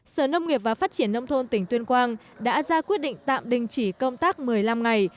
sở nông nghiệp và phát triển nông thôn tỉnh tuyên quang đã ra quyết định tạm đình chỉ công tác một mươi năm ngày